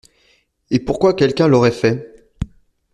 Et pourquoi quelqu’un l’aurait fait?